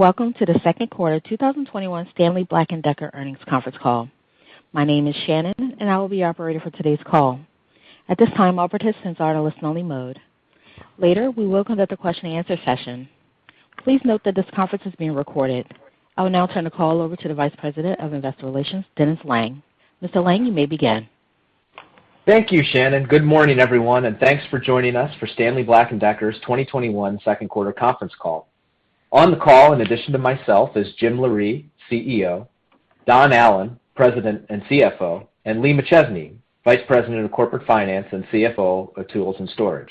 Welcome to the second quarter 2021 Stanley Black & Decker earnings conference call. My name is Shannon, and I will be your operator for today's call. At this time, all participants are in listen-only mode. Later, we will conduct a question-and-answer session. Please note that this conference is being recorded. I will now turn the call over to the Vice President of Investor Relations, Dennis Lange. Mr. Lange, you may begin. Thank you, Shannon. Good morning, everyone, and thanks for joining us for Stanley Black & Decker's 2021 second quarter conference call. On the call, in addition to myself, is Jim Loree, CEO, Don Allan, President and CFO, and Lee McChesney, Vice President of Corporate Finance and CFO of Tools & Storage.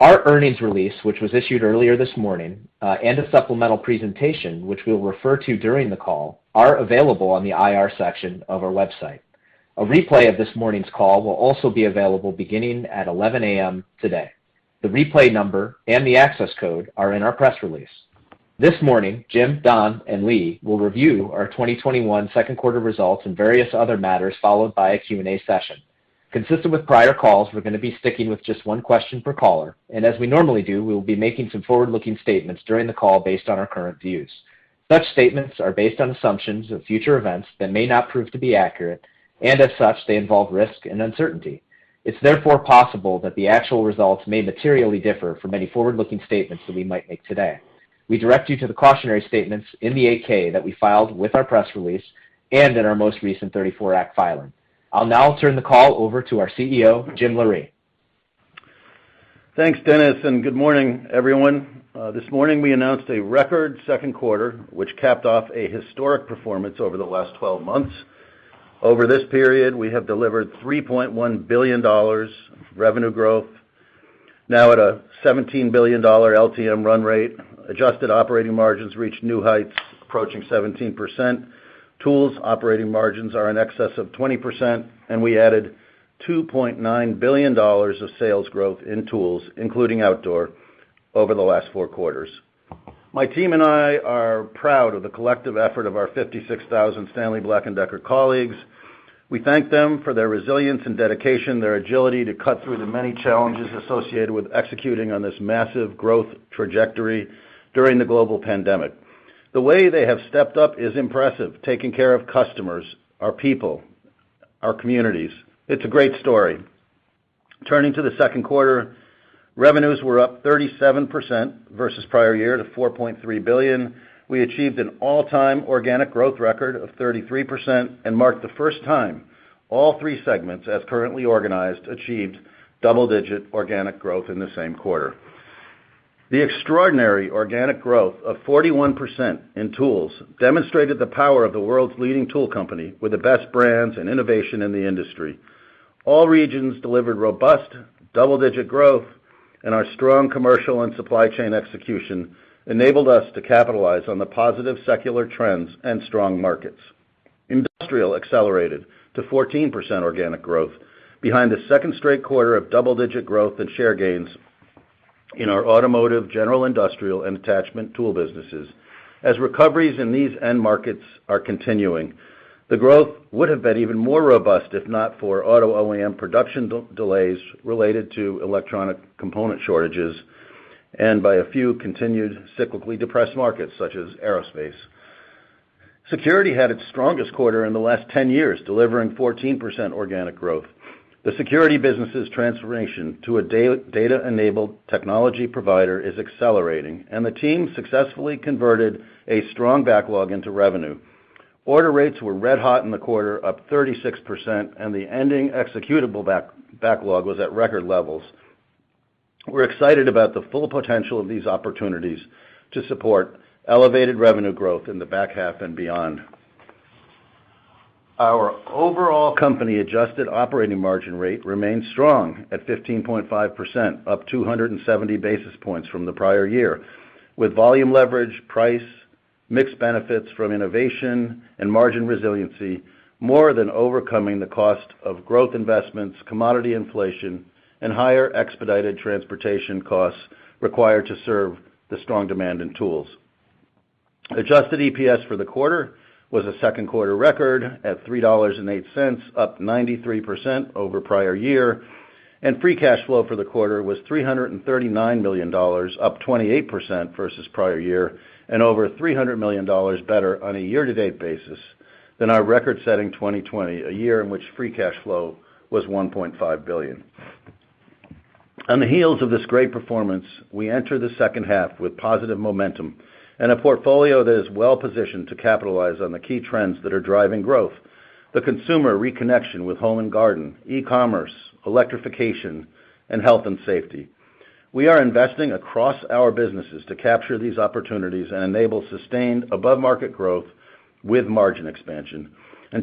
Our earnings release, which was issued earlier this morning, and a supplemental presentation, which we'll refer to during the call, are available on the IR section of our website. A replay of this morning's call will also be available beginning at 11:00 A.M. today. The replay number and the access code are in our press release. This morning, Jim, Don, and Lee will review our 2021 second quarter results and various other matters, followed by a Q&A session. Consistent with prior calls, we're going to be sticking with just one question per caller, and as we normally do, we will be making some forward-looking statements during the call based on our current views. Such statements are based on assumptions of future events that may not prove to be accurate, and as such, they involve risk and uncertainty. It's therefore possible that the actual results may materially differ from any forward-looking statements that we might make today. We direct you to the cautionary statements in the 8-K that we filed with our press release and in our most recent 34 Act filing. I'll now turn the call over to our CEO, Jim Loree. Thanks, Dennis, and good morning, everyone. This morning we announced a record second quarter, which capped off a historic performance over the last 12 months. Over this period, we have delivered $3.1 billion of revenue growth, now at a $17 billion LTM run rate. Adjusted operating margins reached new heights, approaching 17%. Tools operating margins are in excess of 20%, and we added $2.9 billion of sales growth in tools, including outdoor, over the last four quarters. My team and I are proud of the collective effort of our 56,000 Stanley Black & Decker colleagues. We thank them for their resilience and dedication, their agility to cut through the many challenges associated with executing on this massive growth trajectory during the global pandemic. The way they have stepped up is impressive, taking care of customers, our people, our communities. It's a great story. Turning to the second quarter, revenues were up 37% versus prior year to $4.3 billion. We achieved an all-time organic growth record of 33% and marked the first time all three segments, as currently organized, achieved double-digit organic growth in the same quarter. The extraordinary organic growth of 41% in tools demonstrated the power of the world's leading tool company, with the best brands and innovation in the industry. All regions delivered robust double-digit growth, and our strong commercial and supply chain execution enabled us to capitalize on the positive secular trends and strong markets. Industrial accelerated to 14% organic growth behind a second straight quarter of double-digit growth and share gains in our automotive, general industrial, and attachment tool businesses. As recoveries in these end markets are continuing, the growth would have been even more robust if not for auto OEM production delays related to electronic component shortages and by a few continued cyclically depressed markets, such as aerospace. Security had its strongest quarter in the last 10 years, delivering 14% organic growth. The Security business' transformation to a data-enabled technology provider is accelerating, and the team successfully converted a strong backlog into revenue. Order rates were red hot in the quarter, up 36%, and the ending executable backlog was at record levels. We're excited about the full potential of these opportunities to support elevated revenue growth in the back half and beyond. Our overall company adjusted operating margin rate remains strong at 15.5%, up 270 basis points from the prior year, with volume leverage, price, mixed benefits from innovation, and margin resiliency more than overcoming the cost of growth investments, commodity inflation, and higher expedited transportation costs required to serve the strong demand in tools. Adjusted EPS for the quarter was a second quarter record at $3.08, up 93% over prior year, and free cash flow for the quarter was $339 million, up 28% versus prior year, and over $300 million better on a year-to-date basis than our record-setting 2020, a year in which free cash flow was $1.5 billion. On the heels of this great performance, we enter the second half with positive momentum and a portfolio that is well-positioned to capitalize on the key trends that are driving growth, the consumer reconnection with home and garden, e-commerce, electrification, and health and safety. We are investing across our businesses to capture these opportunities and enable sustained above-market growth with margin expansion.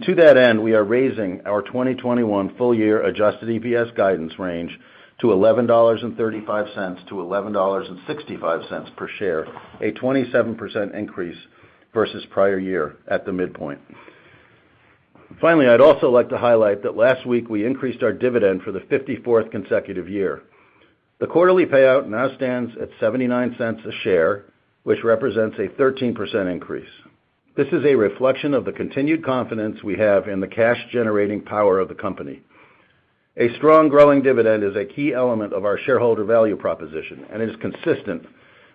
To that end, we are raising our 2021 full year adjusted EPS guidance range to $11.35-$11.65 per share, a 27% increase versus prior year at the midpoint. Finally, I'd also like to highlight that last week we increased our dividend for the 54th consecutive year. The quarterly payout now stands at $0.79 a share, which represents a 13% increase. This is a reflection of the continued confidence we have in the cash-generating power of the company. A strong growing dividend is a key element of our shareholder value proposition, and is consistent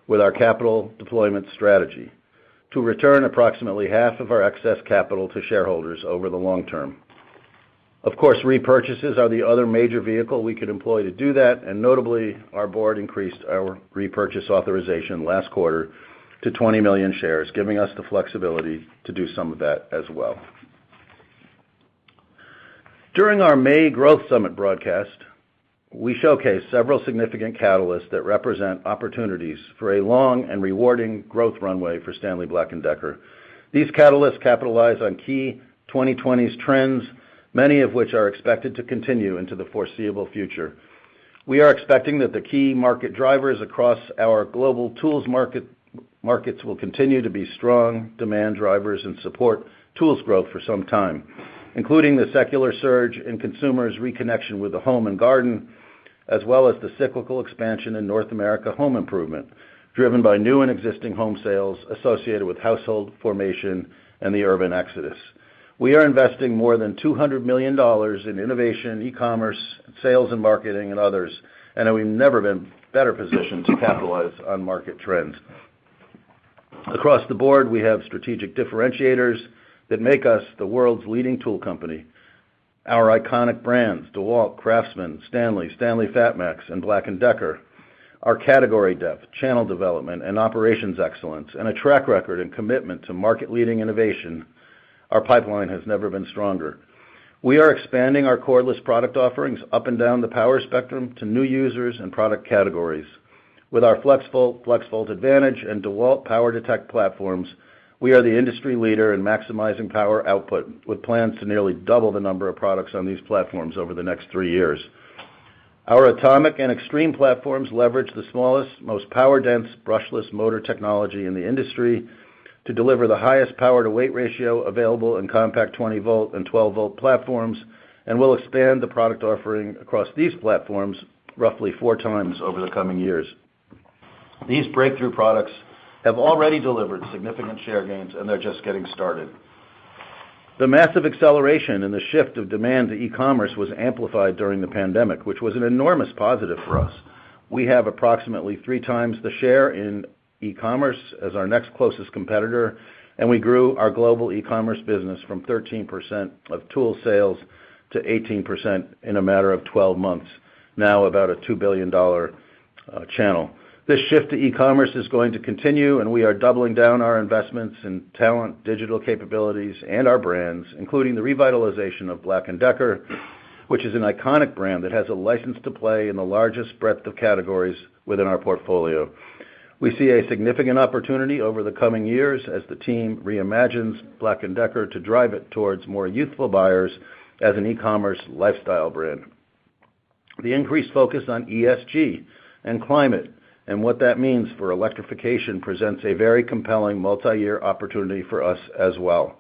with our capital deployment strategy to return approximately half of our excess capital to shareholders over the long term. Of course, repurchases are the other major vehicle we could employ to do that, and notably, our board increased our repurchase authorization last quarter to 20 million shares, giving us the flexibility to do some of that as well. During our May Growth Summit broadcast, we showcased several significant catalysts that represent opportunities for a long and rewarding growth runway for Stanley Black & Decker. These catalysts capitalize on key 2020s trends, many of which are expected to continue into the foreseeable future. We are expecting that the key market drivers across our global tools markets will continue to be strong demand drivers and support tools growth for some time, including the secular surge in consumers reconnection with the home and garden, as well as the cyclical expansion in North America home improvement, driven by new and existing home sales associated with household formation and the urban exodus. We are investing more than $200 million in innovation, e-commerce, sales and marketing, and others. We've never been better positioned to capitalize on market trends. Across the board, we have strategic differentiators that make us the world's leading tool company. Our iconic brands, DEWALT, CRAFTSMAN, STANLEY, STANLEY FATMAX, and BLACK+DECKER, our category depth, channel development, and operations excellence, and a track record and commitment to market-leading innovation. Our pipeline has never been stronger. We are expanding our cordless product offerings up and down the power spectrum to new users and product categories. With our FLEXVOLT, FLEXVOLT ADVANTAGE, and DEWALT POWER DETECT platforms, we are the industry leader in maximizing power output, with plans to nearly double the number of products on these platforms over the next three years. Our ATOMIC and XTREME platforms leverage the smallest, most power-dense brushless motor technology in the industry to deliver the highest power-to-weight ratio available in compact 20 V and 12 V platforms, and will expand the product offering across these platforms roughly four times over the coming years. These breakthrough products have already delivered significant share gains, and they're just getting started. The massive acceleration in the shift of demand to e-commerce was amplified during the pandemic, which was an enormous positive for us. We have approximately 3x the share in e-commerce as our next closest competitor, and we grew our global e-commerce business from 13% of tool sales to 18% in a matter of 12 months. Now about a $2 billion channel. This shift to e-commerce is going to continue, and we are doubling down our investments in talent, digital capabilities, and our brands, including the revitalization of BLACK+DECKER, which is an iconic brand that has a license to play in the largest breadth of categories within our portfolio. We see a significant opportunity over the coming years as the team reimagines BLACK+DECKER to drive it towards more youthful buyers as an e-commerce lifestyle brand. The increased focus on ESG and climate, and what that means for electrification presents a very compelling multiyear opportunity for us as well.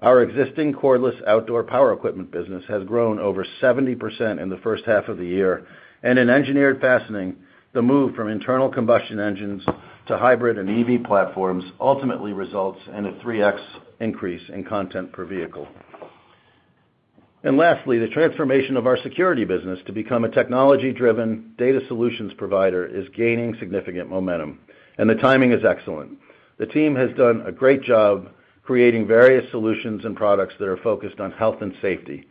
Our existing cordless outdoor power equipment business has grown over 70% in the first half of the year. In engineered fastening, the move from internal combustion engines to hybrid and EV platforms ultimately results in a 3x increase in content per vehicle. Lastly, the transformation of our security business to become a technology-driven data solutions provider is gaining significant momentum, and the timing is excellent. The team has done a great job creating various solutions and products that are focused on health and safety,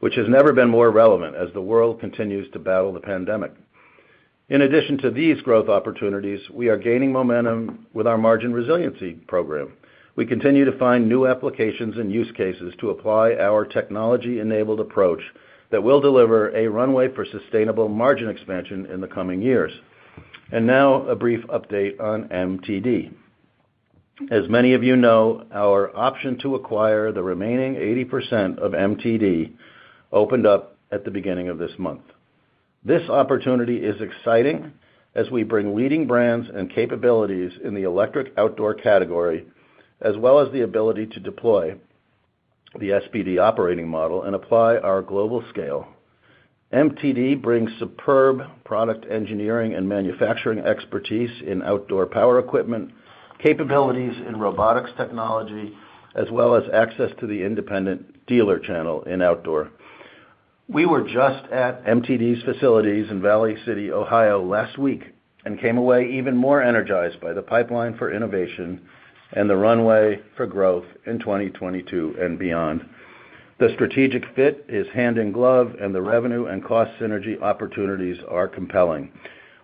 which has never been more relevant as the world continues to battle the pandemic. In addition to these growth opportunities, we are gaining momentum with our margin resiliency program. We continue to find new applications and use cases to apply our technology-enabled approach that will deliver a runway for sustainable margin expansion in the coming years. Now, a brief update on MTD. As many of you know, our option to acquire the remaining 80% of MTD opened up at the beginning of this month. This opportunity is exciting as we bring leading brands and capabilities in the electric outdoor category, as well as the ability to deploy the SBD operating model and apply our global scale. MTD brings superb product engineering and manufacturing expertise in outdoor power equipment, capabilities in robotics technology, as well as access to the independent dealer channel in outdoor. We were just at MTD's facilities in Valley City, Ohio last week, and came away even more energized by the pipeline for innovation and the runway for growth in 2022 and beyond. The strategic fit is hand in glove, and the revenue and cost synergy opportunities are compelling.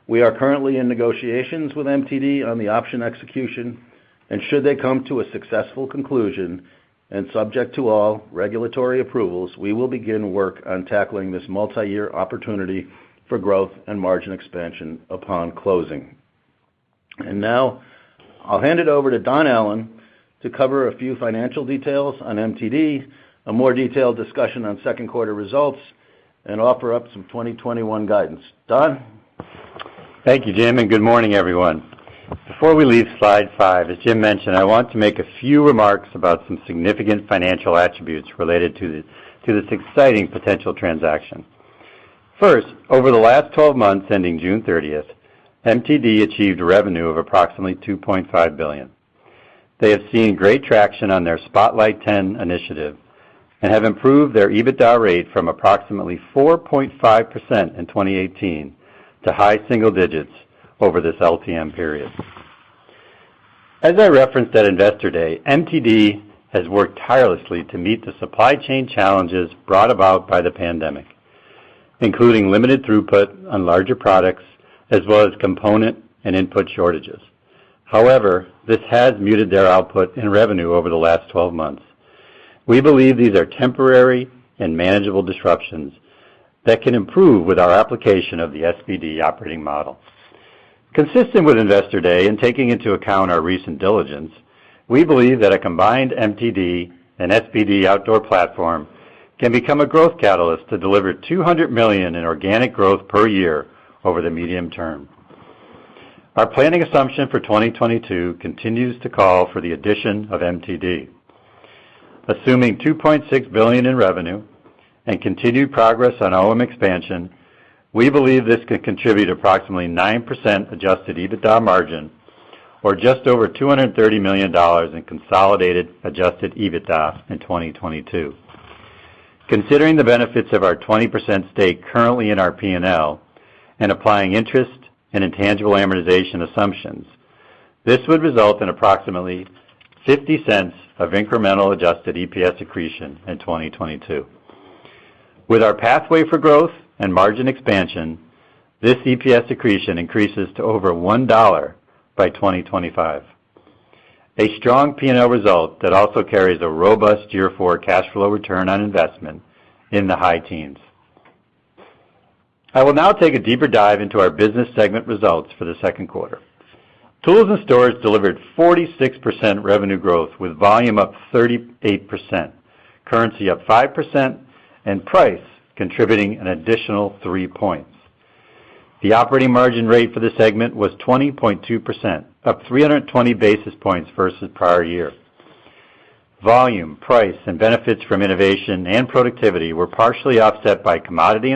We are currently in negotiations with MTD on the option execution, and should they come to a successful conclusion, and subject to all regulatory approvals, we will begin work on tackling this multiyear opportunity for growth and margin expansion upon closing. Now, I'll hand it over to Don Allan to cover a few financial details on MTD, a more detailed discussion on second quarter results, and offer up some 2021 guidance. Don? Thank you, Jim, and good morning, everyone. Before we leave slide five, as Jim mentioned, I want to make a few remarks about some significant financial attributes related to this exciting potential transaction. First, over the last 12 months ending June 30th, MTD achieved revenue of approximately $2.5 billion. They have seen great traction on their Spotlight 10 initiative and have improved their EBITDA rate from approximately 4.5% in 2018 to high single-digits over this LTM period. As I referenced at Investor Day, MTD has worked tirelessly to meet the supply chain challenges brought about by the pandemic, including limited throughput on larger products as well as component and input shortages. However, this has muted their output and revenue over the last 12 months. We believe these are temporary and manageable disruptions that can improve with our application of the SBD operating model. Consistent with Investor Day, taking into account our recent diligence, we believe that a combined MTD and SBD outdoor platform can become a growth catalyst to deliver $200 million in organic growth per year over the medium term. Our planning assumption for 2022 continues to call for the addition of MTD. Assuming $2.6 billion in revenue and continued progress on OM expansion, we believe this could contribute approximately 9% adjusted EBITDA margin, or just over $230 million in consolidated adjusted EBITDA in 2022. Considering the benefits of our 20% stake currently in our P&L, and applying interest and intangible amortization assumptions, this would result in approximately $0.50 of incremental adjusted EPS accretion in 2022. With our pathway for growth and margin expansion, this EPS accretion increases to over $1 by 2025. A strong P&L result that also carries a robust year four cash flow return on investment in the high teens. I will now take a deeper dive into our business segment results for the second quarter. Tools & Storage delivered 46% revenue growth, with volume up 38%, currency up 5%, and price contributing an additional three points. The operating margin rate for the segment was 20.2%, up 320 basis points versus prior year. Volume, price, and benefits from innovation and productivity were partially offset by commodity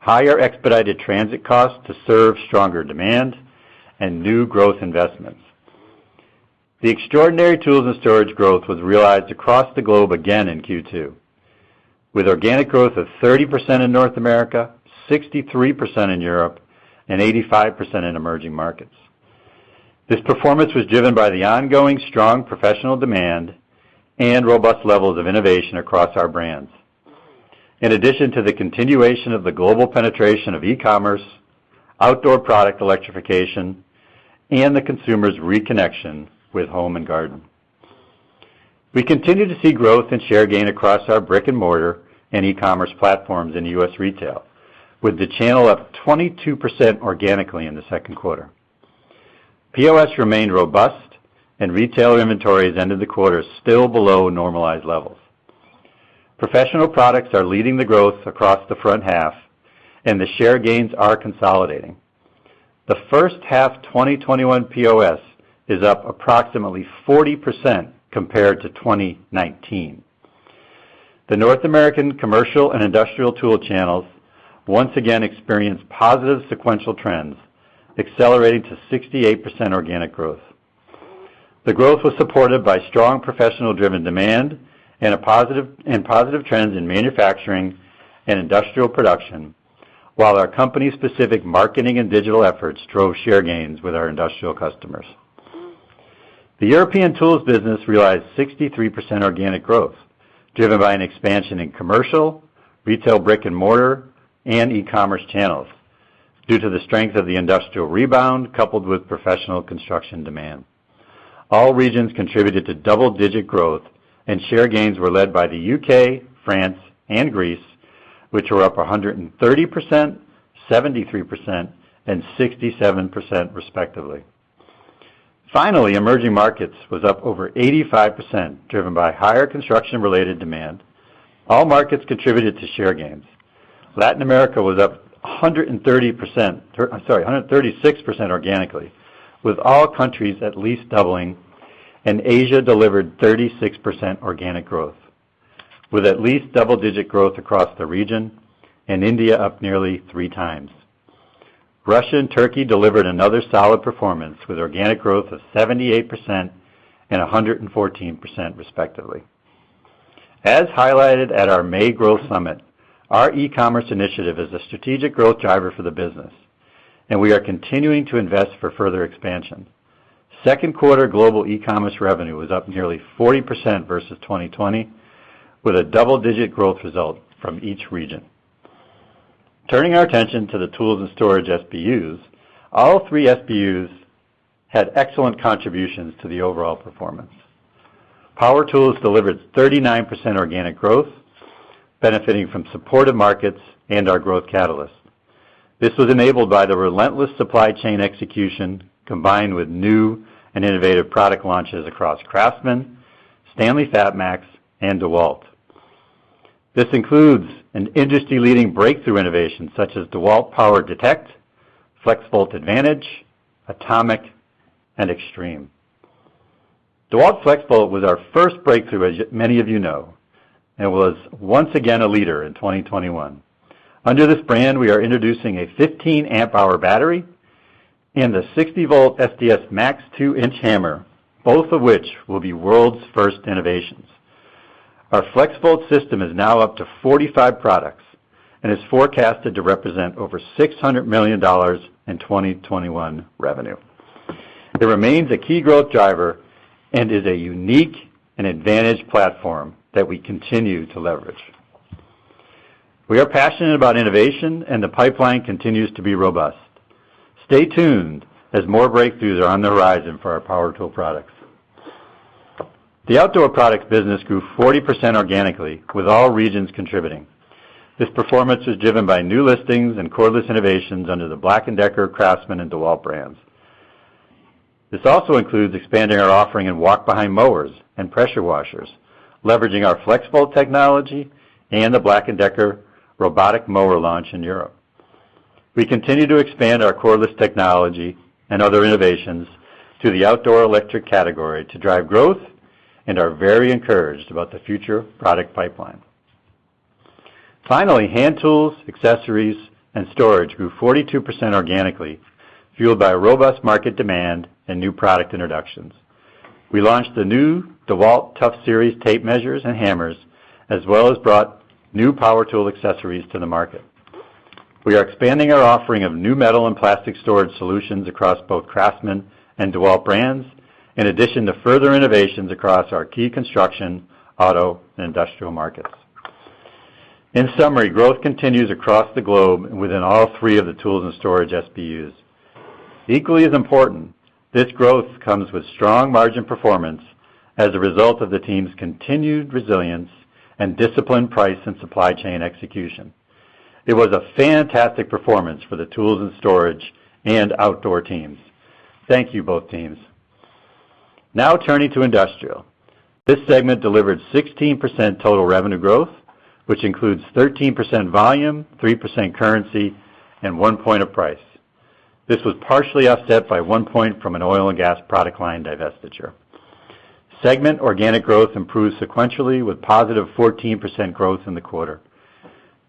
inflation, higher expedited transit costs to serve stronger demand, and new growth investments. The extraordinary Tools & Storage growth was realized across the globe again in Q2, with organic growth of 30% in North America, 63% in Europe, and 85% in emerging markets. This performance was driven by the ongoing strong professional demand and robust levels of innovation across our brands. In addition to the continuation of the global penetration of e-commerce, outdoor product electrification, and the consumer's reconnection with home and garden. We continue to see growth and share gain across our brick-and-mortar and e-commerce platforms in U.S. retail, with the channel up 22% organically in the second quarter. POS remained robust, and retailer inventories ended the quarter still below normalized levels. Professional products are leading the growth across the front half, and the share gains are consolidating. The first half 2021 POS is up approximately 40% compared to 2019. The North American commercial and industrial tool channels once again experienced positive sequential trends, accelerating to 68% organic growth. The growth was supported by strong professional-driven demand and positive trends in manufacturing and industrial production. While our company's specific marketing and digital efforts drove share gains with our industrial customers. The European tools business realized 63% organic growth driven by an expansion in commercial, retail brick-and-mortar, and e-commerce channels due to the strength of the industrial rebound coupled with professional construction demand. All regions contributed to double-digit growth, and share gains were led by the U.K., France, and Greece, which were up 130%, 73%, and 67% respectively. Finally, emerging markets was up over 85%, driven by higher construction-related demand. All markets contributed to share gains. Latin America was up 136% organically, with all countries at least doubling, and Asia delivered 36% organic growth with at least double-digit growth across the region, and India up nearly 3x. Russia and Turkey delivered another solid performance with organic growth of 78% and 114% respectively. As highlighted at our May growth summit, our e-commerce initiative is a strategic growth driver for the business, and we are continuing to invest for further expansion. Second quarter global e-commerce revenue was up nearly 40% versus 2020, with a double-digit growth result from each region. Turning our attention to the Tools & Storage SBUs, all three SBUs had excellent contributions to the overall performance. Power tools delivered 39% organic growth, benefiting from supportive markets and our growth catalyst. This was enabled by the relentless supply chain execution, combined with new and innovative product launches across CRAFTSMAN, STANLEY FATMAX, and DEWALT. This includes an industry-leading breakthrough innovation such as DEWALT POWER DETECT, FLEXVOLT ADVANTAGE, ATOMIC, and XTREME. DEWALT FLEXVOLT was our first breakthrough, as many of you know. Was once again a leader in 2021. Under this brand, we are introducing a 15 Ah battery and the 60 V SDS-MAX 2 in hammer, both of which will be world's first innovations. Our FLEXVOLT system is now up to 45 products and is forecasted to represent over $600 million in 2021 revenue. It remains a key growth driver and is a unique and advantaged platform that we continue to leverage. We are passionate about innovation, and the pipeline continues to be robust. Stay tuned as more breakthroughs are on the horizon for our power tool products. The outdoor products business grew 40% organically, with all regions contributing. This performance was driven by new listings and cordless innovations under the BLACK+DECKER, CRAFTSMAN, and DEWALT brands. This also includes expanding our offering in walk-behind mowers and pressure washers, leveraging our FLEXVOLT technology and the BLACK+DECKER robotic mower launch in Europe. We continue to expand our cordless technology and other innovations to the outdoor electric category to drive growth and are very encouraged about the future product pipeline. Finally, hand tools, accessories, and storage grew 42% organically, fueled by robust market demand and new product introductions. We launched the new DEWALT TOUGHSERIES tape measures and hammers, as well as brought new power tool accessories to the market. We are expanding our offering of new metal and plastic storage solutions across both CRAFTSMAN and DEWALT brands, in addition to further innovations across our key construction, auto, and industrial markets. In summary, growth continues across the globe and within all three of the Tools & Storage SBUs. Equally as important, this growth comes with strong margin performance as a result of the team's continued resilience and disciplined price and supply chain execution. It was a fantastic performance for the Tools & Storage and outdoor teams. Thank you, both teams. Turning to industrial. This segment delivered 16% total revenue growth, which includes 13% volume, 3% currency, and one point of price. This was partially offset by one point from an oil and gas product line divestiture. Segment organic growth improved sequentially with positive 14% growth in the quarter.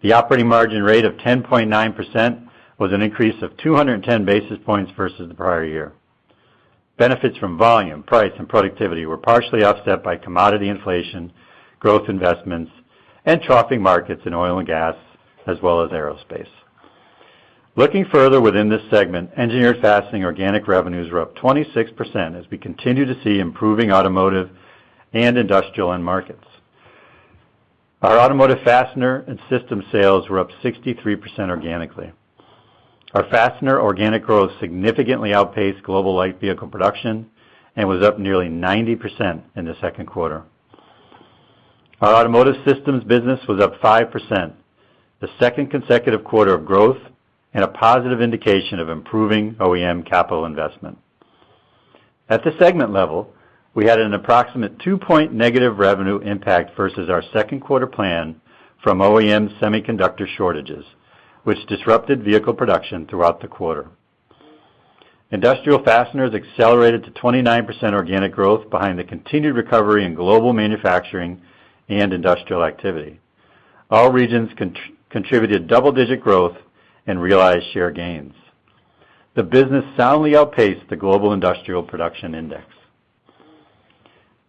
The operating margin rate of 10.9% was an increase of 210 basis points versus the prior year. Benefits from volume, price, and productivity were partially offset by commodity inflation, growth investments, and troughing markets in oil and gas, as well as aerospace. Looking further within this segment, engineered fastening organic revenues were up 26% as we continue to see improving automotive and industrial end markets. Our automotive fastener and system sales were up 63% organically. Our fastener organic growth significantly outpaced global light vehicle production and was up nearly 90% in the second quarter. Our automotive systems business was up 5%, the second consecutive quarter of growth and a positive indication of improving OEM capital investment. At the segment level, we had an approximate two-point negative revenue impact versus our second quarter plan from OEM semiconductor shortages, which disrupted vehicle production throughout the quarter. Industrial fasteners accelerated to 29% organic growth behind the continued recovery in global manufacturing and industrial activity. All regions contributed double-digit growth and realized share gains. The business soundly outpaced the Global Industrial Production Index.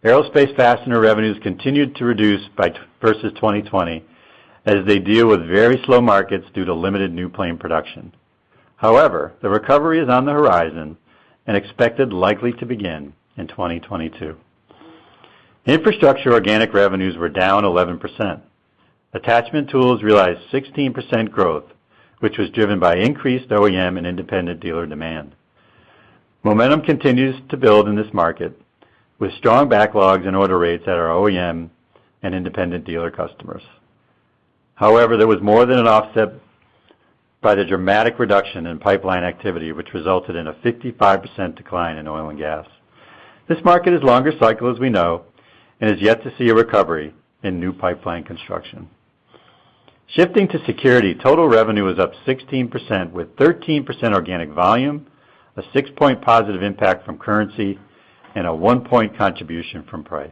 Aerospace fastener revenues continued to reduce versus 2020 as they deal with very slow markets due to limited new plane production. The recovery is on the horizon and expected likely to begin in 2022. Infrastructure organic revenues were down 11%. Attachment tools realized 16% growth, which was driven by increased OEM and independent dealer demand. Momentum continues to build in this market with strong backlogs and order rates at our OEM and independent dealer customers. However, there was more than an offset by the dramatic reduction in pipeline activity, which resulted in a 55% decline in oil and gas. This market is longer cycle, as we know, and is yet to see a recovery in new pipeline construction. Shifting to security, total revenue was up 16% with 13% organic volume, a six-point positive impact from currency, and a one-point contribution from price.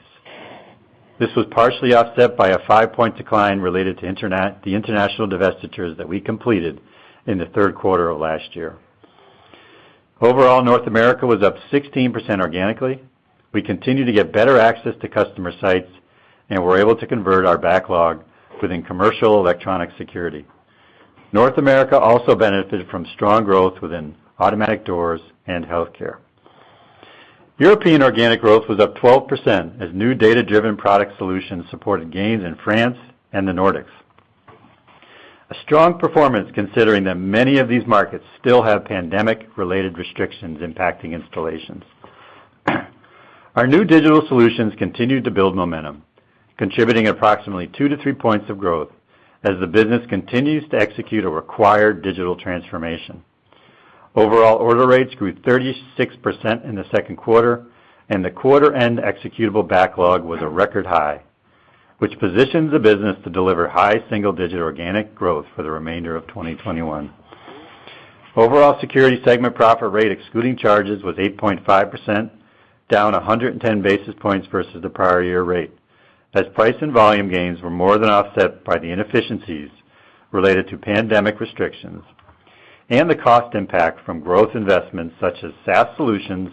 This was partially offset by a five-point decline related to the international divestitures that we completed in the third quarter of last year. Overall, North America was up 16% organically. We continue to get better access to customer sites and were able to convert our backlog within commercial electronic security. North America also benefited from strong growth within automatic doors and healthcare. European organic growth was up 12% as new data-driven product solutions supported gains in France and the Nordics. A strong performance considering that many of these markets still have pandemic-related restrictions impacting installations. Our new digital solutions continued to build momentum, contributing approximately two to three points of growth as the business continues to execute a required digital transformation. Overall order rates grew 36% in the second quarter, and the quarter-end executable backlog was a record high, which positions the business to deliver high single-digit organic growth for the remainder of 2021. Overall Security Segment profit rate excluding charges was 8.5%, down 110 basis points versus the prior year rate, as price and volume gains were more than offset by the inefficiencies related to pandemic restrictions and the cost impact from growth investments such as SaaS solutions,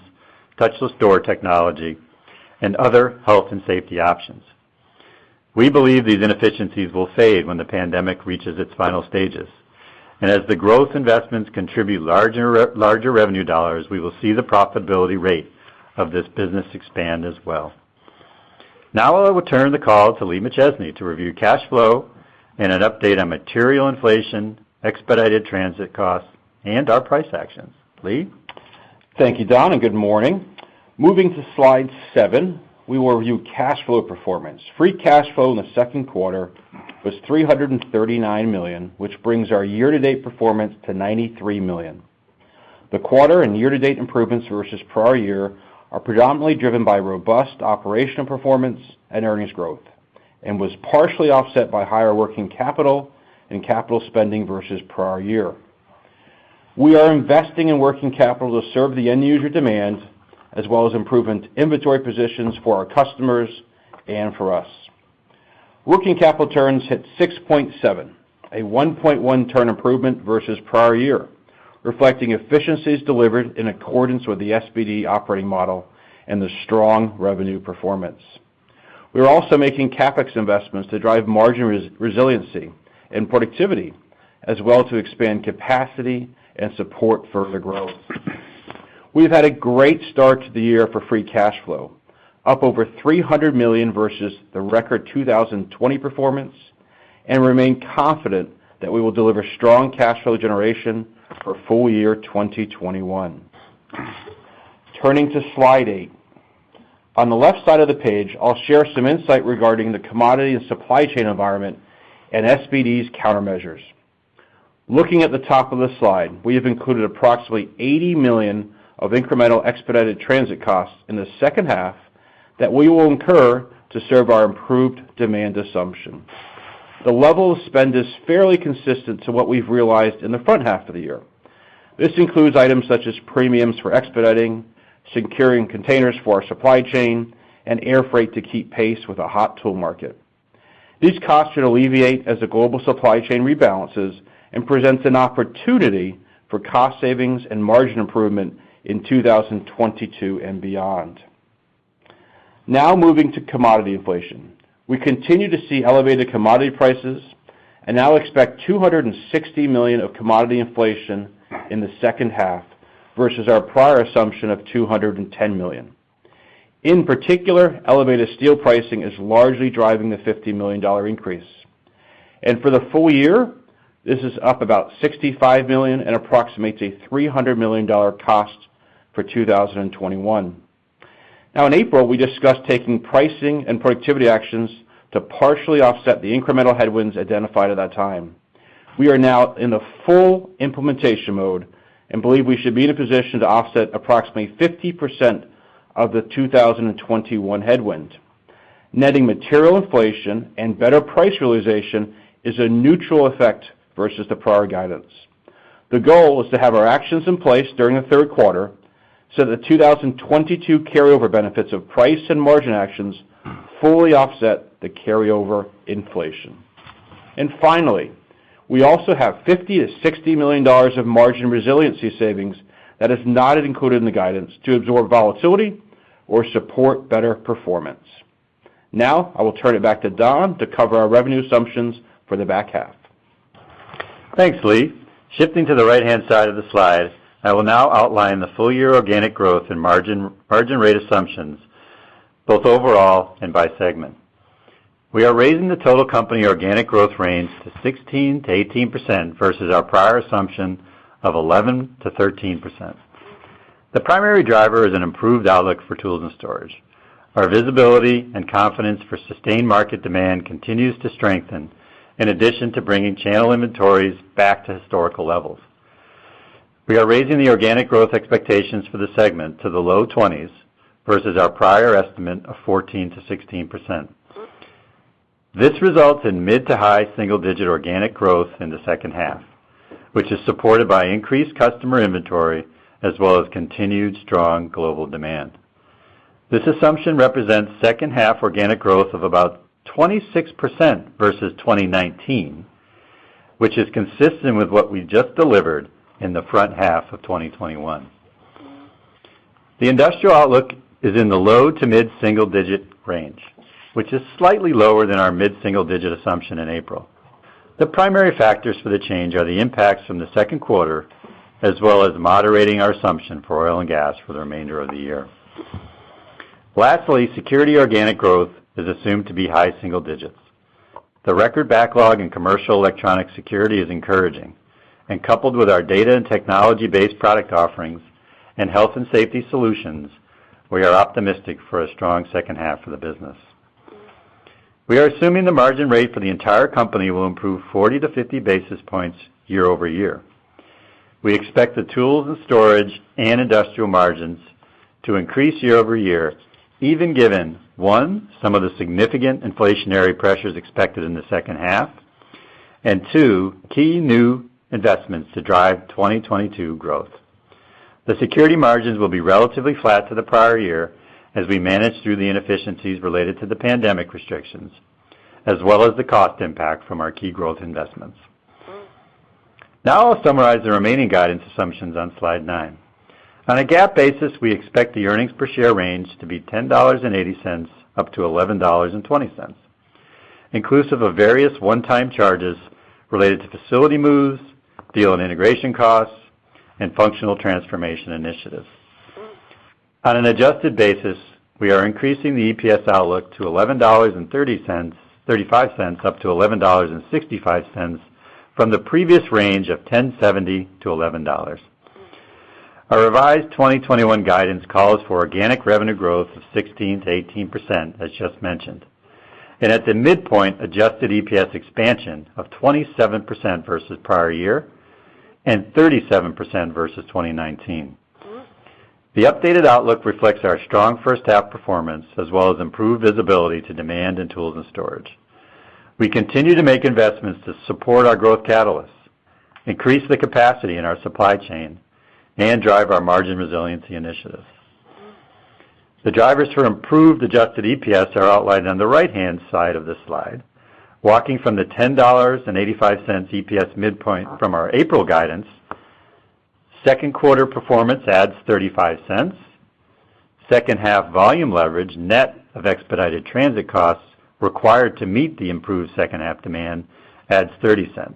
touchless door technology, and other health and safety options. We believe these inefficiencies will fade when the pandemic reaches its final stages. As the growth investments contribute larger revenue dollars, we will see the profitability rate of this business expand as well. Now I will turn the call to Lee McChesney to review cash flow and an update on material inflation, expedited transit costs, and our price action. Lee? Thank you, Don, and good morning. Moving to slide seven, we will review cash flow performance. Free cash flow in the second quarter was $339 million, which brings our year-to-date performance to $93 million. The quarter and year-to-date improvements versus prior year are predominantly driven by robust operational performance and earnings growth, and was partially offset by higher working capital and capital spending versus prior year. We are investing in working capital to serve the end user demand, as well as improving inventory positions for our customers and for us. Working capital turns hit 6.7, a 1.1 turn improvement versus prior year, reflecting efficiencies delivered in accordance with the SBD operating model and the strong revenue performance. We're also making CapEx investments to drive margin resiliency and productivity, as well to expand capacity and support further growth. We've had a great start to the year for free cash flow, up over $300 million versus the record 2020 performance, and remain confident that we will deliver strong cash flow generation for full year 2021. Turning to slide eight. On the left side of the page, I'll share some insight regarding the commodity and supply chain environment and SBD's countermeasures. Looking at the top of the slide, we have included approximately $80 million of incremental expedited transit costs in the second half that we will incur to serve our improved demand assumption. The level of spend is fairly consistent to what we've realized in the front half of the year. This includes items such as premiums for expediting, securing containers for our supply chain, and air freight to keep pace with a hot tool market. These costs should alleviate as the global supply chain rebalances and presents an opportunity for cost savings and margin improvement in 2022 and beyond. Now moving to commodity inflation. We continue to see elevated commodity prices and now expect $260 million of commodity inflation in the second half versus our prior assumption of $210 million. In particular, elevated steel pricing is largely driving the $50 million increase. For the full year, this is up about $65 million and approximates a $300 million cost for 2021. Now in April, we discussed taking pricing and productivity actions to partially offset the incremental headwinds identified at that time. We are now in the full implementation mode and believe we should be in a position to offset approximately 50% of the 2021 headwind. Netting material inflation and better price realization is a neutral effect versus the prior guidance. The goal is to have our actions in place during the third quarter, so the 2022 carryover benefits of price and margin actions fully offset the carryover inflation. Finally, we also have $50 million-$60 million of margin resiliency savings that is not included in the guidance to absorb volatility or support better performance. I will turn it back to Don to cover our revenue assumptions for the back half. Thanks, Lee. Shifting to the right-hand side of the slide, I will now outline the full-year organic growth and margin rate assumptions, both overall and by segment. We are raising the total company organic growth range to 16%-18% versus our prior assumption of 11%-13%. The primary driver is an improved outlook for Tools & Storage. Our visibility and confidence for sustained market demand continues to strengthen, in addition to bringing channel inventories back to historical levels. We are raising the organic growth expectations for the segment to the low 20s versus our prior estimate of 14%-16%. This results in mid to high single-digit organic growth in the second half, which is supported by increased customer inventory as well as continued strong global demand. This assumption represents second half organic growth of about 26% versus 2019, which is consistent with what we just delivered in the front half of 2021. The industrial outlook is in the low to mid single-digit range, which is slightly lower than our mid single-digit assumption in April. The primary factors for the change are the impacts from the second quarter, as well as moderating our assumption for oil and gas for the remainder of the year. Lastly, security organic growth is assumed to be high single-digits. Coupled with our data and technology-based product offerings and health and safety solutions, we are optimistic for a strong second half for the business. We are assuming the margin rate for the entire company will improve 40-50 basis points year-over-year. We expect the Tools & Storage and industrial margins to increase year-over-year, even given, one, some of the significant inflationary pressures expected in the second half, and two, key new investments to drive 2022 growth. The security margins will be relatively flat to the prior year as we manage through the inefficiencies related to the pandemic restrictions, as well as the cost impact from our key growth investments. I'll summarize the remaining guidance assumptions on slide nine. On a GAAP basis, we expect the earnings per share range to be $10.80-$11.20, inclusive of various one-time charges related to facility moves, deal and integration costs, and functional transformation initiatives. On an adjusted basis, we are increasing the EPS outlook to $11.35-$11.65 from the previous range of $10.70-$11. Our revised 2021 guidance calls for organic revenue growth of 16%-18%, as just mentioned. At the midpoint, adjusted EPS expansion of 27% versus prior year and 37% versus 2019. The updated outlook reflects our strong first half performance as well as improved visibility to demand in Tools & Storage. We continue to make investments to support our growth catalysts, increase the capacity in our supply chain, and drive our margin resiliency initiatives. The drivers for improved adjusted EPS are outlined on the right-hand side of this slide. Walking from the $10.85 EPS midpoint from our April guidance, second quarter performance adds $0.35. Second half volume leverage net of expedited transit costs required to meet the improved second half demand adds $0.30.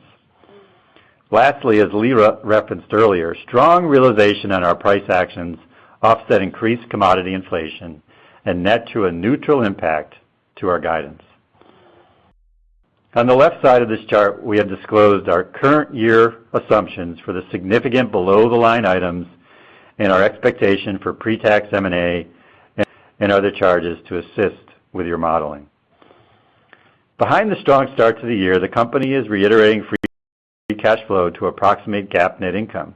Lastly, as Lee referenced earlier, strong realization on our price actions offset increased commodity inflation and net to a neutral impact to our guidance. On the left side of this chart, we have disclosed our current year assumptions for the significant below-the-line items and our expectation for pre-tax M&A and other charges to assist with your modeling. Behind the strong start to the year, the company is reiterating free cash flow to approximate GAAP net income.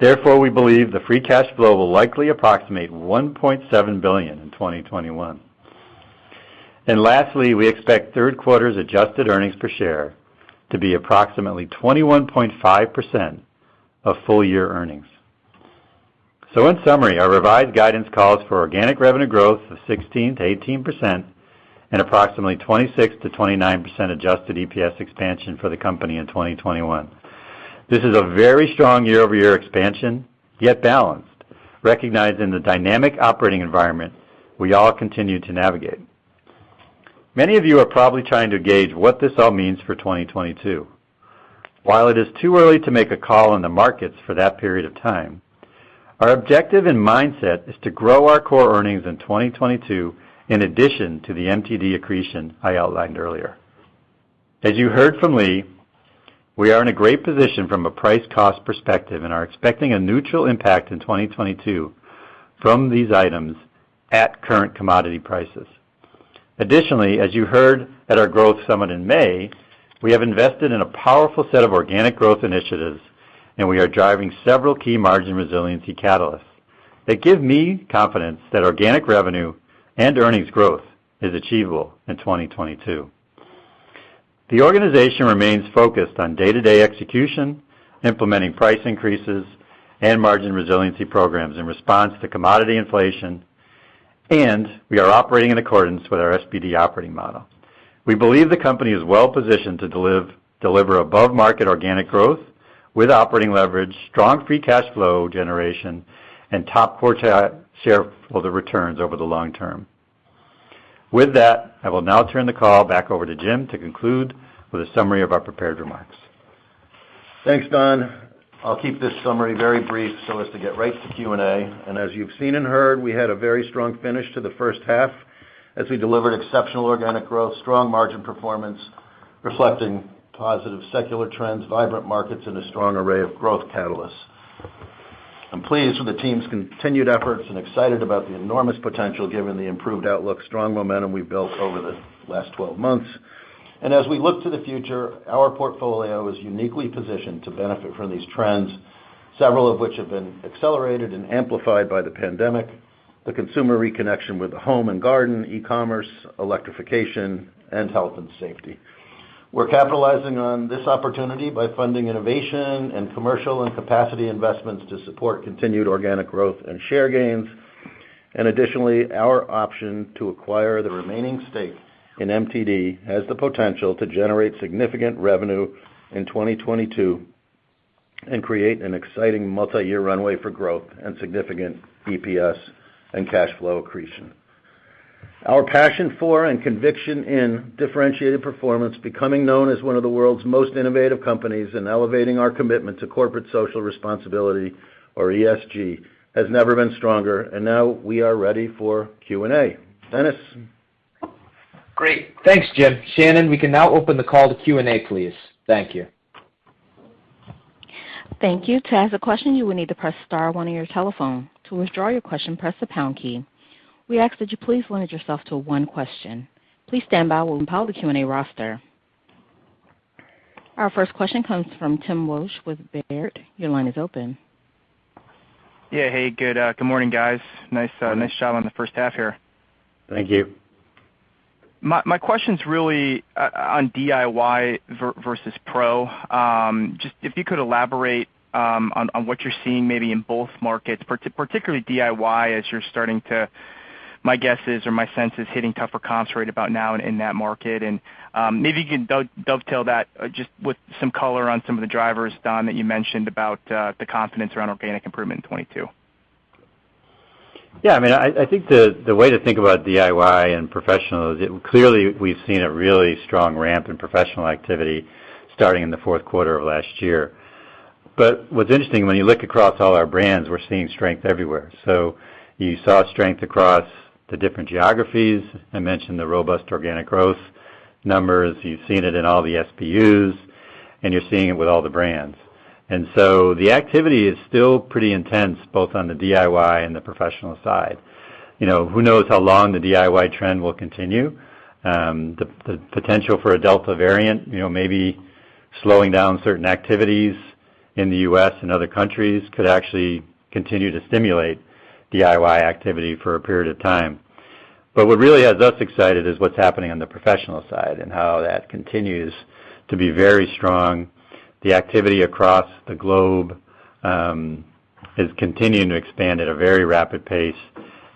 We believe the free cash flow will likely approximate $1.7 billion in 2021. Lastly, we expect third quarter's adjusted earnings per share to be approximately 21.5% of full-year earnings. In summary, our revised guidance calls for organic revenue growth of 16%-18% and approximately 26%-29% adjusted EPS expansion for the company in 2021. This is a very strong year-over-year expansion, yet balanced, recognized in the dynamic operating environment we all continue to navigate. Many of you are probably trying to gauge what this all means for 2022. While it is too early to make a call on the markets for that period of time, our objective and mindset is to grow our core earnings in 2022 in addition to the MTD accretion I outlined earlier. As you heard from Lee, we are in a great position from a price-cost perspective and are expecting a neutral impact in 2022 from these items at current commodity prices. Additionally, as you heard at our growth summit in May, we have invested in a powerful set of organic growth initiatives, and we are driving several key margin resiliency catalysts that give me confidence that organic revenue and earnings growth is achievable in 2022. The organization remains focused on day-to-day execution, implementing price increases, and margin resiliency programs in response to commodity inflation, and we are operating in accordance with our SBD operating model. We believe the company is well positioned to deliver above-market organic growth with operating leverage, strong free cash flow generation, and top quartile shareholder returns over the long term. With that, I will now turn the call back over to Jim to conclude with a summary of our prepared remarks. Thanks, Don. I'll keep this summary very brief so as to get right to Q&A. As you've seen and heard, we had a very strong finish to the first half as we delivered exceptional organic growth, strong margin performance reflecting positive secular trends, vibrant markets, and a strong array of growth catalysts. I'm pleased with the team's continued efforts and excited about the enormous potential given the improved outlook, strong momentum we've built over the last 12 months. As we look to the future, our portfolio is uniquely positioned to benefit from these trends, several of which have been accelerated and amplified by the pandemic, the consumer reconnection with the home and garden, e-commerce, electrification, and health and safety. We're capitalizing on this opportunity by funding innovation and commercial and capacity investments to support continued organic growth and share gains. Additionally, our option to acquire the remaining stake in MTD has the potential to generate significant revenue in 2022 and create an exciting multiyear runway for growth and significant EPS and cash flow accretion. Our passion for and conviction in differentiated performance, becoming known as one of the world's most innovative companies, and elevating our commitment to corporate social responsibility, or ESG, has never been stronger. Now we are ready for Q&A. Dennis? Great. Thanks, Jim. Shannon, we can now open the call to Q&A, please. Thank you. Thank you. To ask a question, you will need to press star one on your telephone. To withdraw your question, press the pound key. We ask that you please limit yourself to one question. Please stand by while we compile the Q&A roster. Our first question comes from Tim Wojs with Baird. Your line is open. Yeah. Hey, good morning, guys. Nice job on the first half here. Thank you. My question's really on DIY versus pro. Just if you could elaborate on what you're seeing maybe in both markets, particularly DIY as you're starting to, my guess is or my sense is, hitting tougher comps right about now in that market. Maybe you can dovetail that just with some color on some of the drivers, Don, that you mentioned about the confidence around organic improvement in 2022. Yeah. I think the way to think about DIY and professional is clearly we've seen a really strong ramp in professional activity starting in the fourth quarter of last year. What's interesting, when you look across all our brands, we're seeing strength everywhere. You saw strength across the different geographies. I mentioned the robust organic growth numbers. You've seen it in all the SBUs, and you're seeing it with all the brands. The activity is still pretty intense, both on the DIY and the professional side. Who knows how long the DIY trend will continue? The potential for a Delta variant maybe slowing down certain activities in the U.S. and other countries could actually continue to stimulate DIY activity for a period of time. What really has us excited is what's happening on the professional side and how that continues to be very strong. The activity across the globe is continuing to expand at a very rapid pace,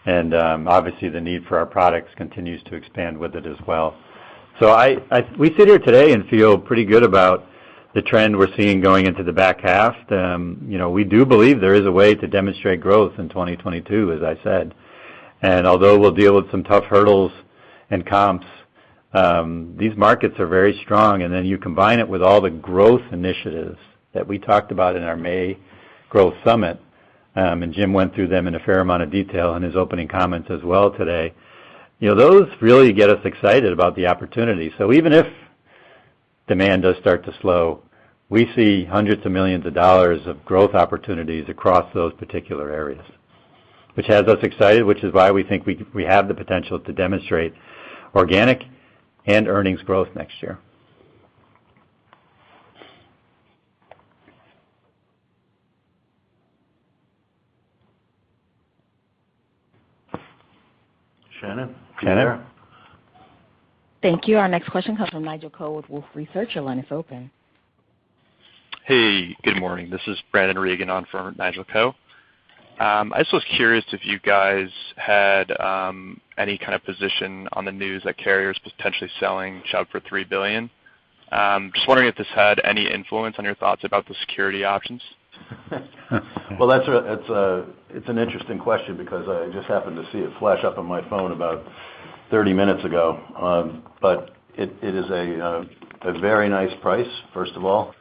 obviously, the need for our products continues to expand with it as well. We sit here today and feel pretty good about the trend we're seeing going into the back half. We do believe there is a way to demonstrate growth in 2022, as I said. Although we'll deal with some tough hurdles and comps, these markets are very strong. You combine it with all the growth initiatives that we talked about in our May Growth Summit, Jim went through them in a fair amount of detail in his opening comments as well today. Those really get us excited about the opportunity. Even if demand does start to slow, we see hundreds of millions of dollars of growth opportunities across those particular areas, which has us excited, which is why we think we have the potential to demonstrate organic and earnings growth next year. Shannon? Do you care? Thank you. Our next question comes from Nigel Coe with Wolfe Research. Your line is open. Hey, good morning. This is Brandon Reagan on for Nigel Coe. I just was curious if you guys had any kind of position on the news that Carrier is potentially selling Chubb for $3 billion. Just wondering if this had any influence on your thoughts about the security options. That's an interesting question because I just happened to see it flash up on my phone about 30-minutes ago. It is a very nice price, first of all,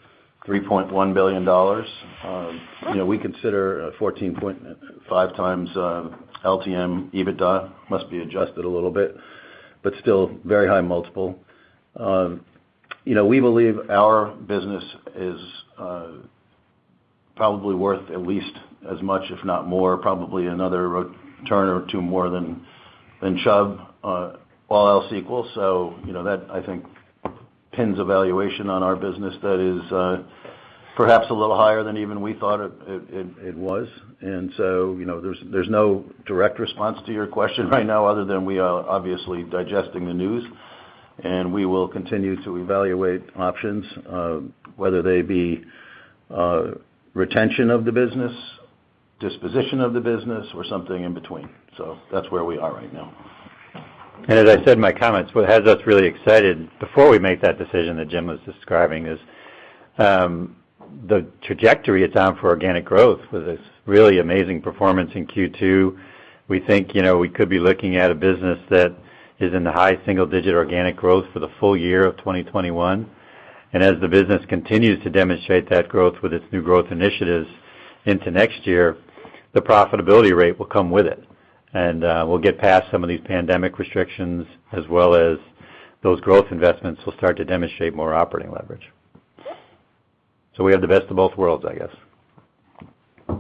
$3.1 billion. We consider 14.5x LTM EBITDA. Must be adjusted a little bit, but still very high multiple. We believe our business is probably worth at least as much, if not more, probably another turn or one or two more than Chubb, all else equal. That I think pins a valuation on our business that is perhaps a little higher than even we thought it was. There's no direct response to your question right now other than we are obviously digesting the news, and we will continue to evaluate options, whether they be retention of the business, disposition of the business, or something in between. That's where we are right now. As I said in my comments, what has us really excited before we make that decision that Jim was describing is the trajectory it's on for organic growth with its really amazing performance in Q2. We think we could be looking at a business that is in the high single-digit organic growth for the full year of 2021. As the business continues to demonstrate that growth with its new growth initiatives into next year, the profitability rate will come with it. We'll get past some of these pandemic restrictions, as well as those growth investments will start to demonstrate more operating leverage. We have the best of both worlds, I guess.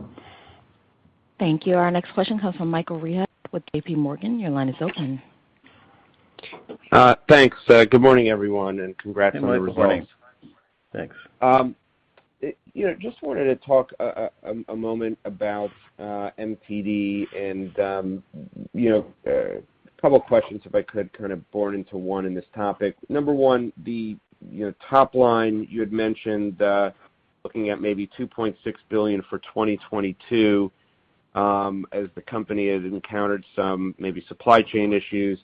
Thank you. Our next question comes from Michael Rehaut with JPMorgan. Your line is open. Thanks. Good morning, everyone, and congrats on the results. Hey, Michael. Good morning. Thanks. Just wanted to talk a moment about MTD and a couple of questions, if I could kind of board into one in this topic. Number one, the top line, you had mentioned looking at maybe $2.6 billion for 2022, as the company has encountered some maybe supply chain issues.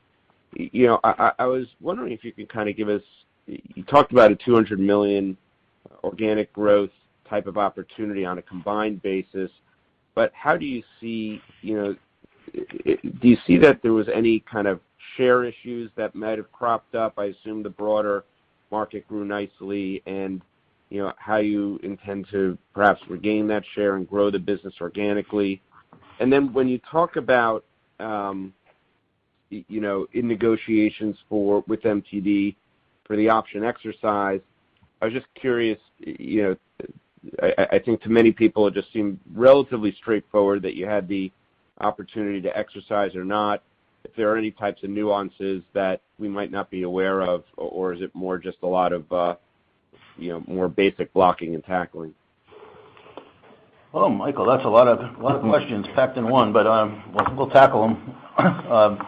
You talked about a $200 million organic growth type of opportunity on a combined basis. Do you see that there was any kind of share issues that might have cropped up? I assume the broader market grew nicely, and how you intend to perhaps regain that share and grow the business organically. When you talk about in negotiations with MTD for the option exercise, I was just curious, do I think to many people, it just seemed relatively straightforward that you had the opportunity to exercise or not. If there are any types of nuances that we might not be aware of, or is it more just a lot of more basic blocking and tackling? Well, Michael, that's a lot of questions packed into one, but we'll tackle them.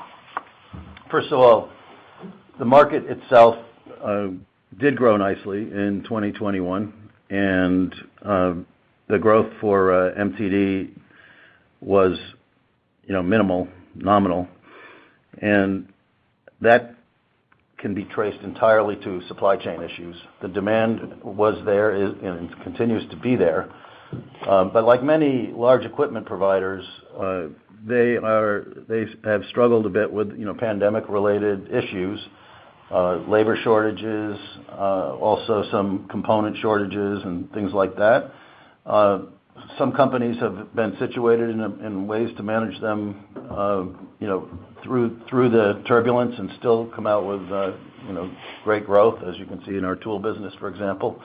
First of all, the market itself did grow nicely in 2021, and the growth for MTD was minimal, nominal. That can be traced entirely to supply chain issues. The demand was there and continues to be there. Like many large equipment providers, they have struggled a bit with pandemic-related issues, labor shortages, also some component shortages and things like that. Some companies have been situated in ways to manage them through the turbulence and still come out with great growth, as you can see in our tool business, for example.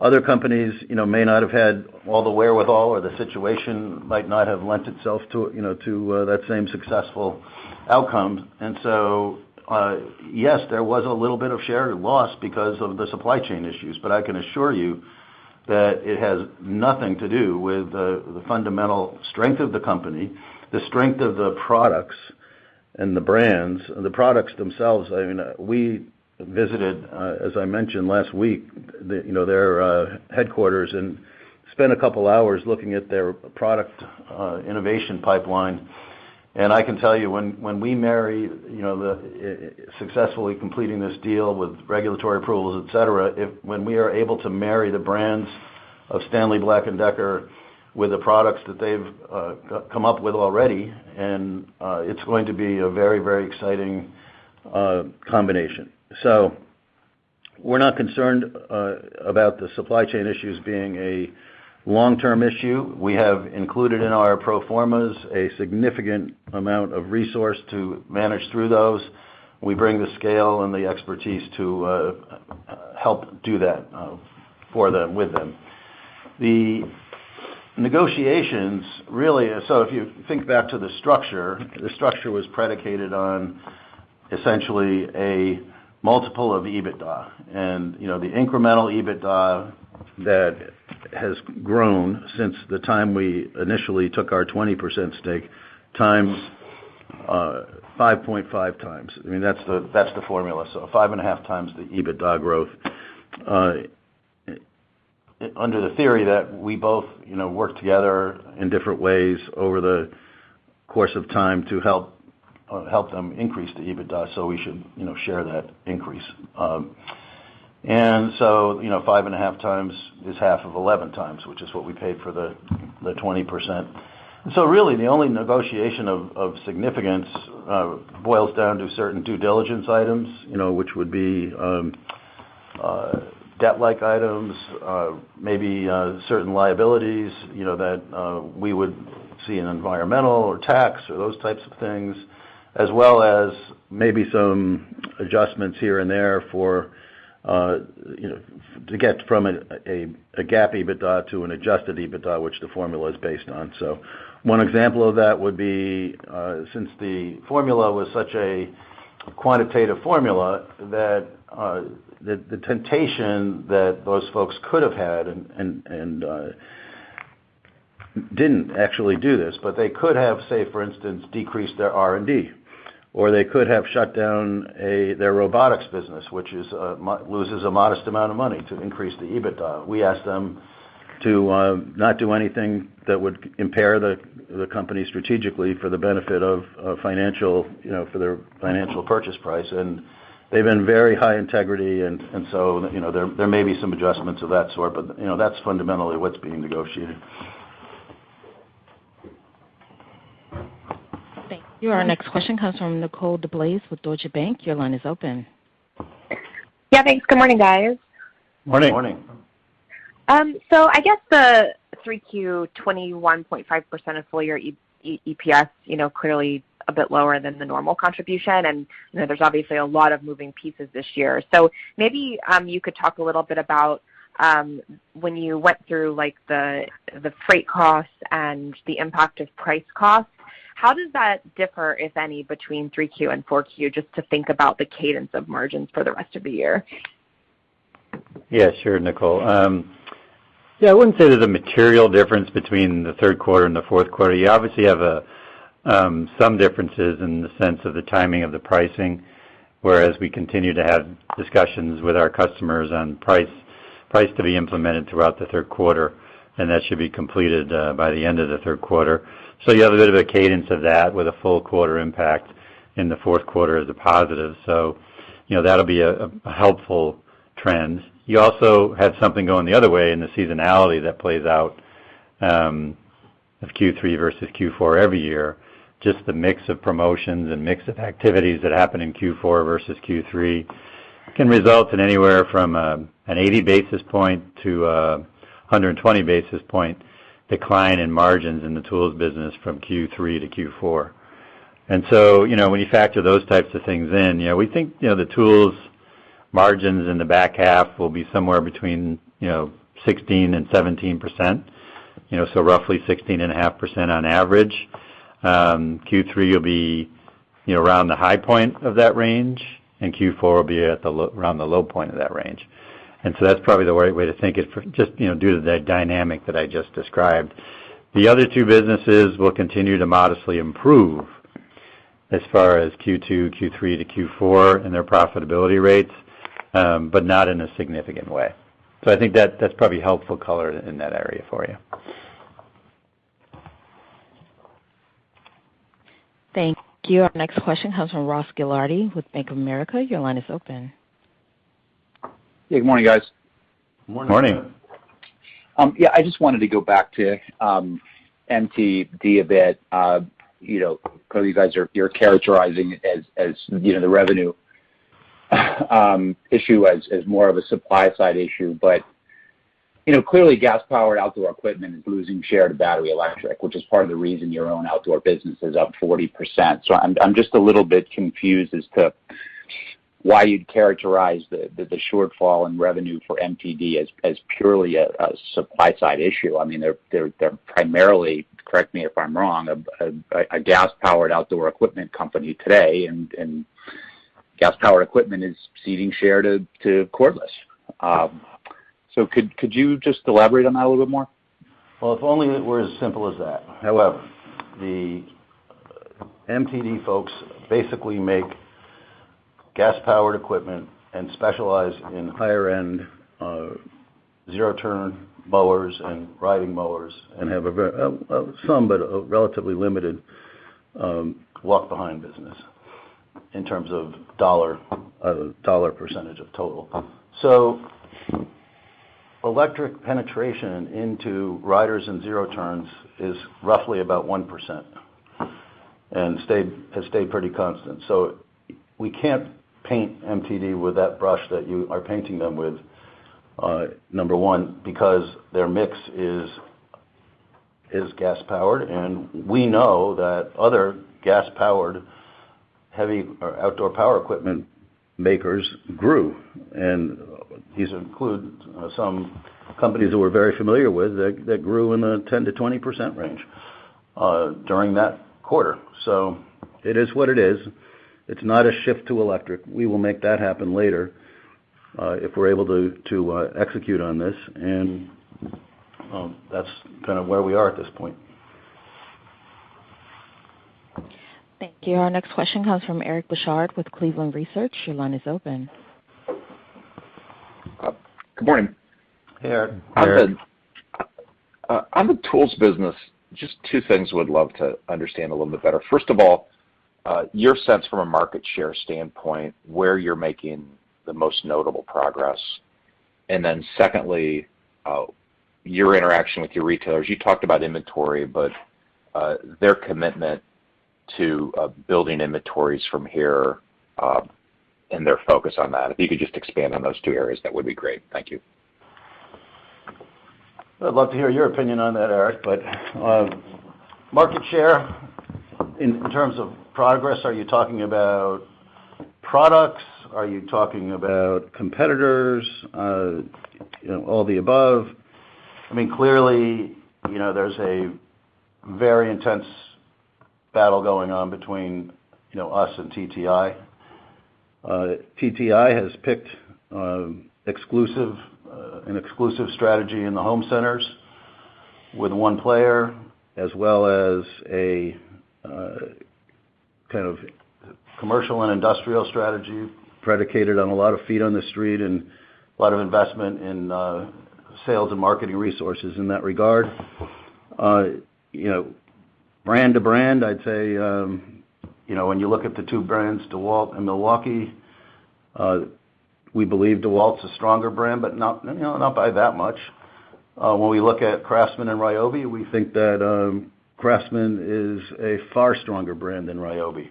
Other companies may not have had all the wherewithal, or the situation might not have lent itself to that same successful outcome. Yes, there was a little bit of share loss because of the supply chain issues. I can assure you that it has nothing to do with the fundamental strength of the company, the strength of the products and the brands. The products themselves, we visited, as I mentioned last week, their headquarters and spent two hours looking at their product innovation pipeline. I can tell you when we marry successfully completing this deal with regulatory approvals, et cetera, when we are able to marry the brands of Stanley Black & Decker with the products that they've come up with already, and it's going to be a very exciting combination. We're not concerned about the supply chain issues being a long-term issue. We have included in our pro formas a significant amount of resource to manage through those. We bring the scale and the expertise to help do that with them. The negotiations, really, so if you think back to the structure, the structure was predicated on essentially a multiple of EBITDA. The incremental EBITDA that has grown since the time we initially took our 20% stake times 5.5x. That's the formula. 5.5x the EBITDA growth under the theory that we both work together in different ways over the course of time to help them increase the EBITDA, so we should share that increase. 5.5x is half of 11x, which is what we paid for the 20%. Really, the only negotiation of significance boils down to certain due diligence items, which would be debt-like items, maybe certain liabilities that we would see in environmental or tax or those types of things, as well as maybe some adjustments here and there to get from a GAAP EBITDA to an adjusted EBITDA, which the formula is based on. One example of that would be, since the formula was such a quantitative formula, that the temptation that those folks could have had, and didn't actually do this, but they could have, say, for instance, decreased their R&D, or they could have shut down their robotics business, which loses a modest amount of money to increase the EBITDA. We asked them to not do anything that would impair the company strategically for the benefit of their financial purchase price. They've been very high integrity, and so there may be some adjustments of that sort, but that's fundamentally what's being negotiated. Thank you. Our next question comes from Nicole DeBlase with Deutsche Bank. Your line is open. Thanks. Good morning, guys. Morning. Morning. I guess the 3Q 21.5% of full-year EPS, clearly a bit lower than the normal contribution, and there's obviously a lot of moving pieces this year. Maybe you could talk a little bit about when you went through the freight costs and the impact of price costs, how does that differ, if any, between 3Q and 4Q, just to think about the cadence of margins for the rest of the year? Sure, Nicole. I wouldn't say there's a material difference between the third quarter and the fourth quarter. You obviously have some differences in the sense of the timing of the pricing, whereas we continue to have discussions with our customers on price to be implemented throughout the third quarter, and that should be completed by the end of the third quarter. You have a bit of a cadence of that with a full quarter impact in the fourth quarter as a positive. That'll be a helpful trend. You also had something going the other way in the seasonality that plays out of Q3 versus Q4 every year. Just the mix of promotions and mix of activities that happen in Q4 versus Q3 can result in anywhere from an 80 basis points to 120 basis points decline in margins in the tools business from Q3 to Q4. When you factor those types of things in, we think the tools margins in the back half will be somewhere between 16% and 17%, so roughly 16.5% on average. Q3 will be around the high point of that range, and Q4 will be around the low point of that range. That's probably the right way to think it, just due to the dynamic that I just described. The other two businesses will continue to modestly improve as far as Q2, Q3 to Q4 in their profitability rates, but not in a significant way. I think that's probably helpful color in that area for you. Thank you. Our next question comes from Ross Gilardi with Bank of America. Your line is open. Good morning, guys. Morning. Morning. I just wanted to go back to MTD a bit. Clearly you guys, you're characterizing the revenue issue as more of a supply side issue, but clearly gas-powered outdoor equipment is losing share to battery-electric, which is part of the reason your own outdoor business is up 40%. I'm just a little bit confused as to why you'd characterize the shortfall in revenue for MTD as purely a supply side issue. They're primarily, correct me if I'm wrong, a gas-powered outdoor equipment company today and gas-powered equipment is ceding share to cordless. Could you just elaborate on that a little bit more? If only it were as simple as that. However, the MTD folks basically make gas-powered equipment and specialize in higher-end zero-turn mowers and riding mowers and have some, but a relatively limited walk-behind business in terms of dollar percentage of total. Electric penetration into riders and zero-turns is roughly about 1% and has stayed pretty constant. We can't paint MTD with that brush that you are painting them with, number one, because their mix is gas-powered and we know that other gas-powered outdoor power equipment makers grew, and these include some companies that we're very familiar with that grew in the 10%-20% range during that quarter. It is what it is. It's not a shift to electric. We will make that happen later if we're able to execute on this and that's kind of where we are at this point. Thank you. Our next question comes from Eric Bosshard with Cleveland Research. Your line is open. Good morning. Hey, Eric. Eric. On the tools business, just two things we'd love to understand a little bit better. First of all, your sense from a market share standpoint, where you're making the most notable progress, and then secondly, your interaction with your retailers. You talked about inventory, but their commitment to building inventories from here and their focus on that. If you could just expand on those two areas, that would be great. Thank you. I'd love to hear your opinion on that, Eric, but market share in terms of progress, are you talking about products? Are you talking about competitors? All the above? Clearly, there's a very intense battle going on between us and TTI. TTI has picked an exclusive strategy in the home centers with one player, as well as a kind of commercial and industrial strategy predicated on a lot of feet on the street and a lot of investment in sales and marketing resources in that regard. Brand to brand, I'd say when you look at the two brands, DEWALT and Milwaukee, we believe DEWALT's a stronger brand, but not by that much. When we look at CRAFTSMAN and RYOBI, we think that CRAFTSMAN is a far stronger brand than RYOBI,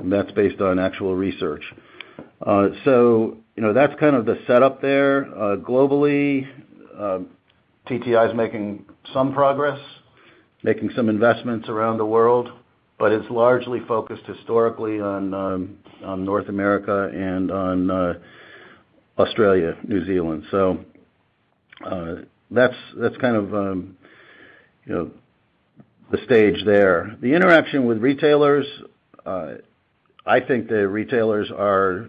and that's based on actual research. That's kind of the setup there. Globally, TTI's making some progress, making some investments around the world, but it's largely focused historically on North America and on Australia, New Zealand. That's kind of the stage there. The interaction with retailers, I think the retailers are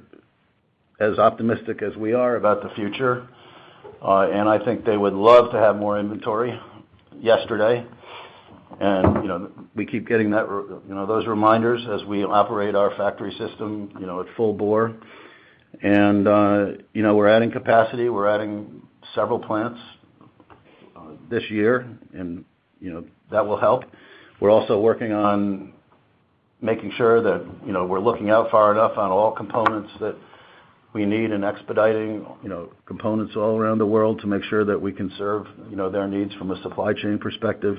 as optimistic as we are about the future. I think they would love to have more inventory yesterday. We keep getting those reminders as we operate our factory system at full bore. We're adding capacity. We're adding several plants this year and that will help. We're also working on making sure that we're looking out far enough on all components that we need and expediting components all around the world to make sure that we can serve their needs from a supply chain perspective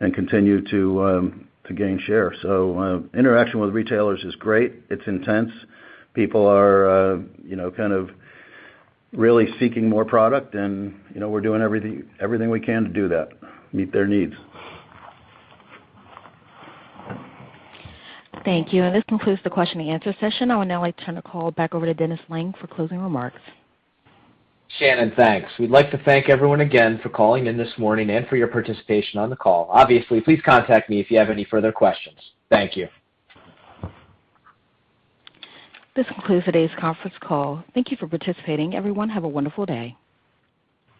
and continue to gain share. Interaction with retailers is great. It's intense. People are kind of really seeking more product, and we're doing everything we can to do that, meet their needs. Thank you. This concludes the question-and-answer session. I would now like to turn the call back over to Dennis Lange for closing remarks. Shannon, thanks. We'd like to thank everyone again for calling in this morning and for your participation on the call. Obviously, please contact me if you have any further questions. Thank you. This concludes today's conference call. Thank you for participating. Everyone have a wonderful day.